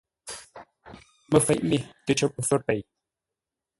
Məfeʼ mê təcər pə fə̌r pêi.